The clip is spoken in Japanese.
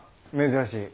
珍しい。